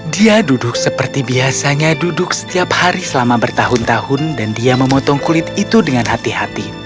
dia duduk seperti biasanya duduk setiap hari selama bertahun tahun dan dia memotong kulit itu dengan hati hati